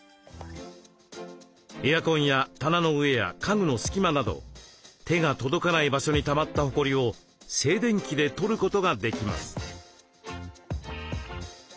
エアコンや棚の上や家具の隙間など手が届かない場所にたまったほこりを静電気で取ることができます。